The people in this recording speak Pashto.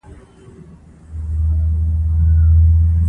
پروفېسر جراحي پر مخ وړي.